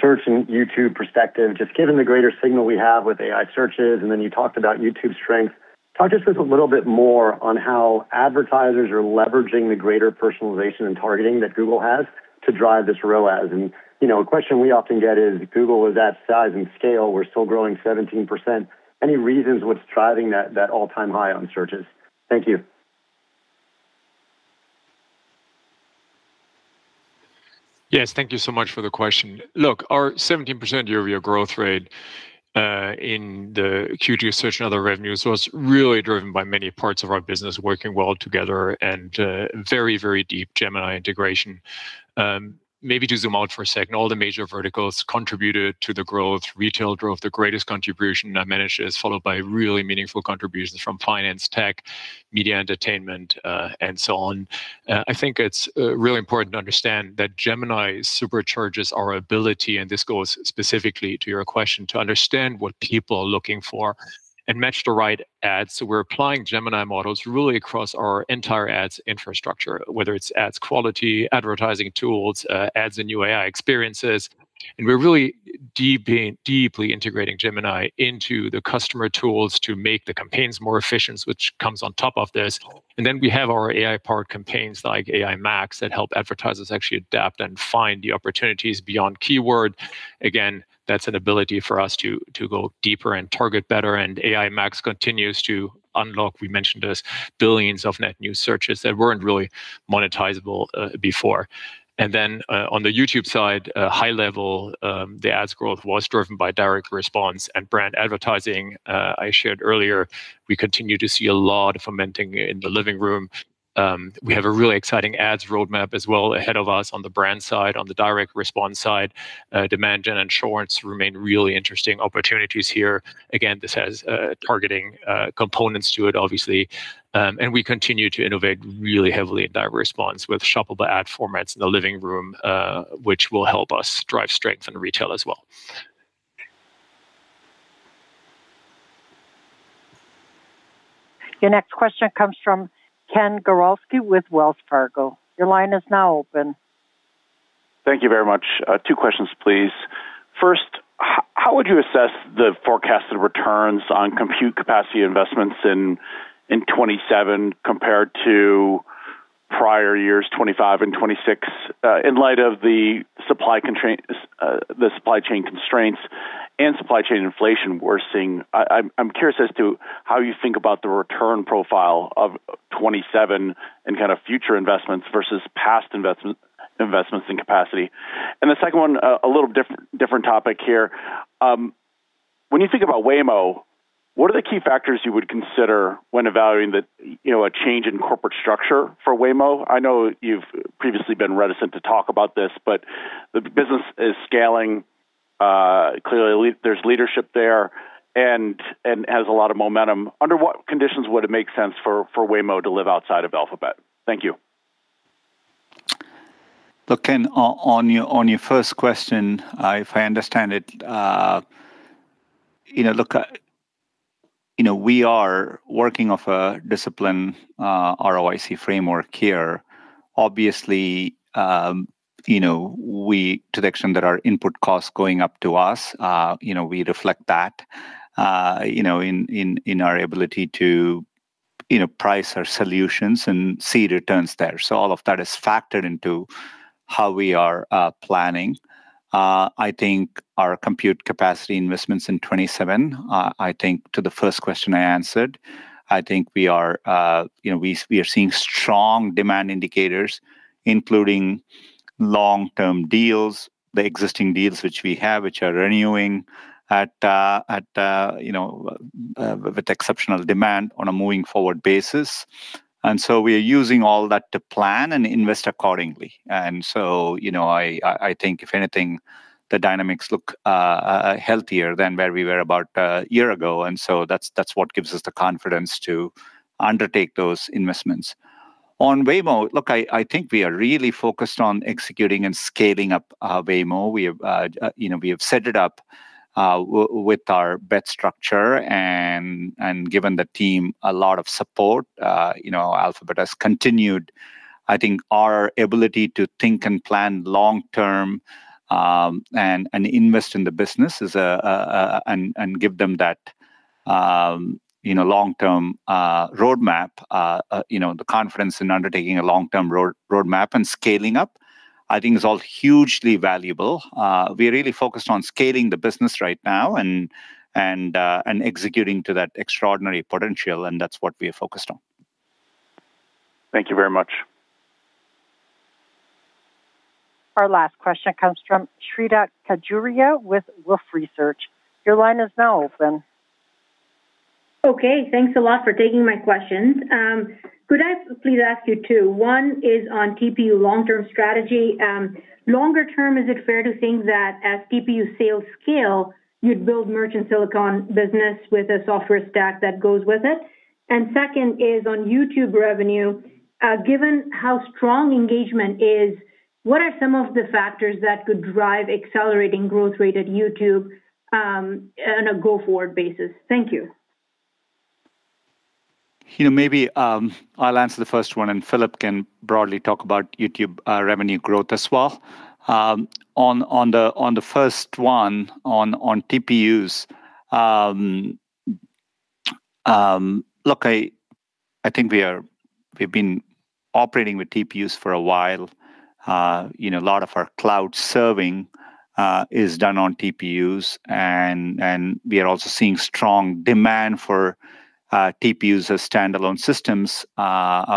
Search and YouTube perspective. Just given the greater signal we have with AI searches, then you talked about YouTube strength, talk to us a little bit more on how advertisers are leveraging the greater personalization and targeting that Google has to drive this ROAS. A question we often get is, Google is that size and scale, we're still growing 17%. Any reasons what's driving that all-time high on searches? Thank you. Yes, thank you so much for the question. Look, our 17% year-over-year growth rate in the Q2 Search and other revenues was really driven by many parts of our business working well together and very, very deep Gemini integration. Maybe to zoom out for a second, all the major verticals contributed to the growth. Retail drove the greatest contribution, not managed, followed by really meaningful contributions from finance, tech, media, entertainment, and so on. I think it's really important to understand that Gemini supercharges our ability, and this goes specifically to your question, to understand what people are looking for and match the right ads. We're applying Gemini models really across our entire ads infrastructure, whether it's ads quality, advertising tools, ads in new AI experiences. We're really deeply integrating Gemini into the customer tools to make the campaigns more efficient, which comes on top of this. We have our AI-powered campaigns like AI Max that help advertisers actually adapt and find the opportunities beyond keyword. Again, that's an ability for us to go deeper and target better. AI Max continues to unlock, we mentioned this, billions of net new searches that weren't really monetizable before. On the YouTube side, high level, the ads growth was driven by direct response and brand advertising. I shared earlier, we continue to see a lot of fermenting in the living room. We have a really exciting ads roadmap as well ahead of us on the brand side, on the direct response side. Demand Gen and YouTube Shorts remain really interesting opportunities here. Again, this has targeting components to it, obviously. We continue to innovate really heavily in direct response with shoppable ad formats in the living room, which will help us drive strength in retail as well. Your next question comes from Ken Gawrelski with Wells Fargo. Your line is now open. Thank you very much. Two questions, please. First, how would you assess the forecasted returns on compute capacity investments in 2027 compared to prior years, 2025 and 2026, in light of the supply chain constraints and supply chain inflation we're seeing? I'm curious as to how you think about the return profile of 2027 and kind of future investments versus past investments in capacity. The second one, a little different topic here. When you think about Waymo, what are the key factors you would consider when evaluating a change in corporate structure for Waymo? I know you've previously been reticent to talk about this, but the business is scaling. Clearly, there's leadership there and has a lot of momentum. Under what conditions would it make sense for Waymo to live outside of Alphabet? Thank you. Look, Ken, on your first question, if I understand it, we are working off a discipline ROIC framework here. Obviously, to the extent that our input cost is going up to us, we reflect that in our ability to price our solutions and see returns there. All of that is factored into how we are planning. I think our compute capacity investments in 2027, to the first question I answered, I think we are seeing strong demand indicators, including long-term deals, the existing deals which we have, which are renewing with exceptional demand on a moving forward basis. We are using all that to plan and invest accordingly. I think if anything, the dynamics look healthier than where we were about a year ago, that's what gives us the confidence to undertake those investments. On Waymo, look, I think we are really focused on executing and scaling up Waymo. We have set it up with our bet structure and given the team a lot of support. Alphabet has continued, I think, our ability to think and plan long term, and invest in the business, and give them that long-term roadmap. The confidence in undertaking a long-term roadmap and scaling up, I think is all hugely valuable. We're really focused on scaling the business right now and executing to that extraordinary potential, and that's what we're focused on. Thank you very much. Our last question comes from Shweta Khajuria with Wolfe Research. Your line is now open. Okay. Thanks a lot for taking my questions. Could I please ask you two? One is on TPU long-term strategy. Longer term, is it fair to think that as TPU sales scale, you'd build merchant silicon business with a software stack that goes with it? Second is on YouTube revenue. Given how strong engagement is, what are some of the factors that could drive accelerating growth rate at YouTube, on a go-forward basis? Thank you. Maybe I'll answer the first one. Philipp can broadly talk about YouTube revenue growth as well. On the first one, on TPUs, look, I think we've been operating with TPUs for a while. A lot of our cloud serving is done on TPUs, and we are also seeing strong demand for TPUs as standalone systems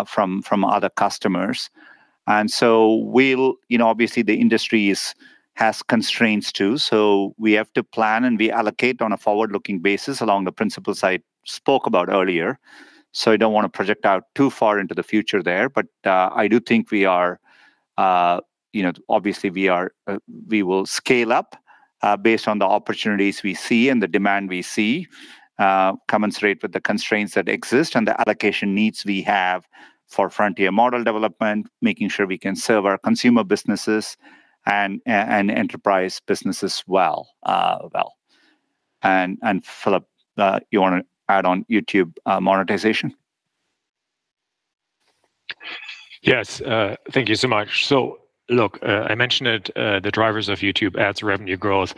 from other customers. Obviously the industry has constraints, too. We have to plan, and we allocate on a forward-looking basis along the principles I spoke about earlier. I don't want to project out too far into the future there, but I do think obviously we will scale up based on the opportunities we see and the demand we see, commensurate with the constraints that exist and the allocation needs we have for frontier model development, making sure we can serve our consumer businesses and enterprise businesses well. Philipp, you want to add on YouTube monetization? Yes. Thank you so much. Look, I mentioned it, the drivers of YouTube ads revenue growth.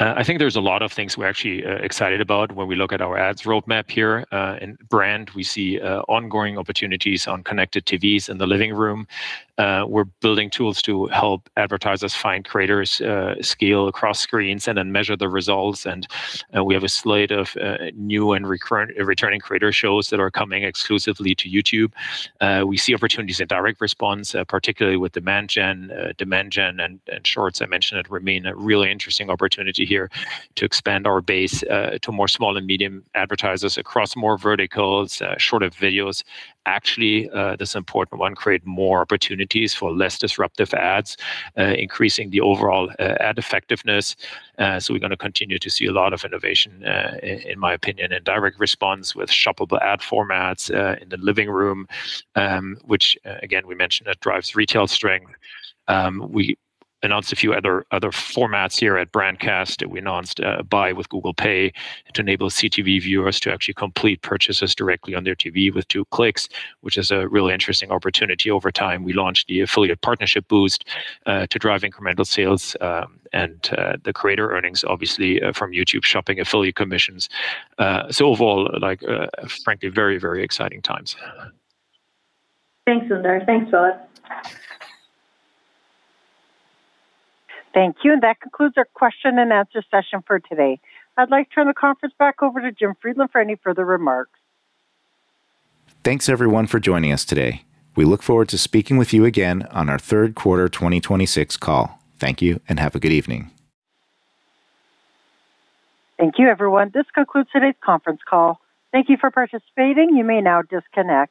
I think there's a lot of things we're actually excited about when we look at our ads roadmap here. In brand, we see ongoing opportunities on CTVs in the living room. We're building tools to help advertisers find creators, scale across screens, and then measure the results. We have a slate of new and returning creator shows that are coming exclusively to YouTube. We see opportunities in direct response, particularly with Demand Gen. Demand Gen and Shorts, I mentioned, remain a really interesting opportunity here to expand our base to more small and medium advertisers across more verticals, shorter videos. Actually, this important one create more opportunities for less disruptive ads, increasing the overall ad effectiveness. We're going to continue to see a lot of innovation, in my opinion, in direct response with shoppable ad formats in the living room, which again, we mentioned, that drives retail strength. We announced a few other formats here at Brandcast. We announced Buy with Google Pay to enable CTV viewers to actually complete purchases directly on their TV with two clicks, which is a really interesting opportunity over time. We launched the Affiliate Partnership Boost to drive incremental sales, and the creator earnings, obviously, from YouTube Shopping affiliate commissions. Overall, frankly, very exciting times. Thanks, Sundar. Thanks, Philipp. Thank you. That concludes our question-and-answer session for today. I'd like to turn the conference back over to Jim Friedland for any further remarks. Thanks, everyone, for joining us today. We look forward to speaking with you again on our third quarter 2026 call. Thank you and have a good evening. Thank you, everyone. This concludes today's conference call. Thank you for participating. You may now disconnect.